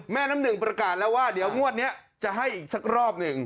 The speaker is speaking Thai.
น้ำหนึ่งประกาศแล้วว่าเดี๋ยวงวดนี้จะให้อีกสักรอบหนึ่ง